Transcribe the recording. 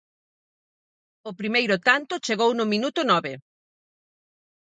O primeiro tanto chegou no minuto nove.